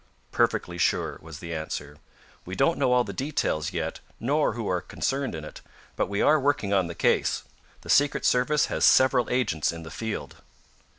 "Perfectly sure," was the answer. "We don't know all the details yet, nor who are concerned in it, but we are working on the case. The Secret Service has several agents in the field.